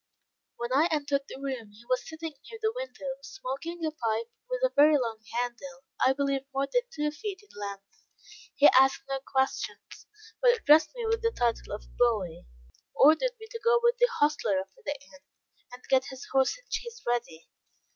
When I entered the room he was sitting near the window, smoking a pipe, with a very long handle I believe more than two feet in length. He asked no questions, but addressing me by the title of "boy," ordered me to go with the hostler of the inn, and get his horse and chaise ready.